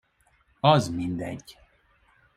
Az mindegy.